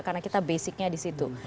karena kita basicnya di situ